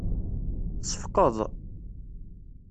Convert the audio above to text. Tseffqeḍ.